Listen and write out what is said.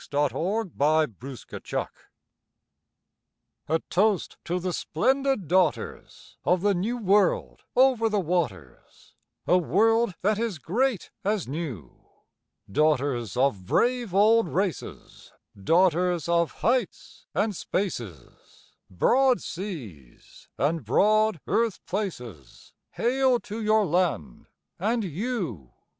TO THE WOMEN OF AUSTRALIA A toast to the splendid daughters Of the New World over the waters, A world that is great as new; Daughters of brave old races, Daughters of heights and spaces, Broad seas and broad earth places— Hail to your land and you!